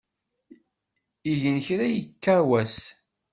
Igen kra ikka wass.